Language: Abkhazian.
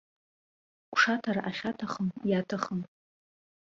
Гәшаҭара ахьаҭахым, иаҭахым.